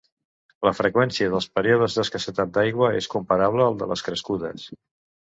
La freqüència dels períodes d'escassetat d'aigua és comparable al de les crescudes.